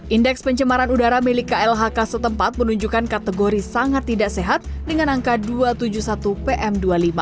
indeks pencemaran udara milik klhk setempat menunjukkan kategori sangat tidak sehat dengan angka dua ratus tujuh puluh satu pm dua puluh lima